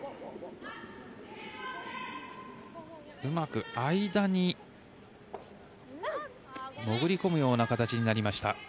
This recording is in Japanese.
うまく間に潜り込むような形になりました。